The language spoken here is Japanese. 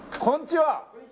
こんにちは。